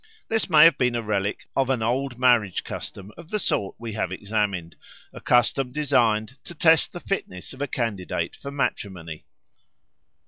This may have been a relic of an old marriage custom of the sort we have examined, a custom designed to test the fitness of a candidate for matrimony.